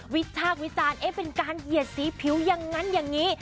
วิพากษ์วิจารณ์เป็นการเหยียดสีผิวอย่างนั้นอย่างนี้